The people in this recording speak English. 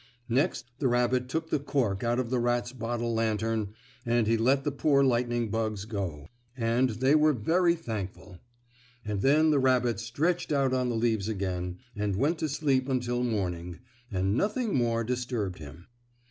Next the rabbit took the cork out of the rat's bottle lantern and he let the poor lightning bugs go, and they were very thankful. And then the rabbit stretched out on the leaves again, and went to sleep until morning and nothing more disturbed him.